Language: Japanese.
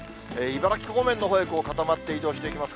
茨城方面のほうへ固まって移動していきます。